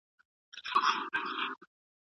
سياستپوه د پېښو تحليل کړی دی.